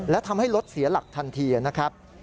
และทำให้รถเสียหลักทันทีนะครับ